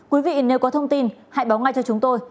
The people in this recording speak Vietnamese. quý vị nếu có thông tin hãy báo ngay cho chúng tôi